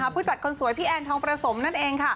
ผู้จัดคนสวยพี่แอนทองประสมนั่นเองค่ะ